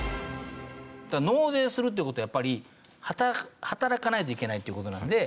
納税するっていう事はやっぱり働かないといけないという事なので。